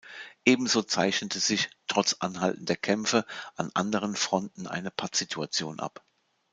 Ebenso zeichnete sich, trotz anhaltender Kämpfe, an anderen Fronten eine Pattsituation ab.